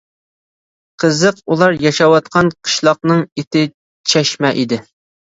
قىزىق، ئۇلار ياشاۋاتقان قىشلاقنىڭ ئېتى-چەشمە ئىدى.